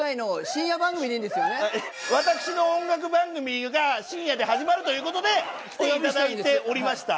私の音楽番組が深夜で始まるということで来ていただいておりました。